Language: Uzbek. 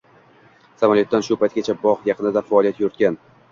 Samolyotdan shu paytgacha bogʻ yaqinida faoliyat yuritgan